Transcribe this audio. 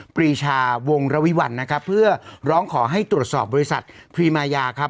ปรีชาวงระวิวัลนะครับเพื่อร้องขอให้ตรวจสอบบริษัทพรีมายาครับ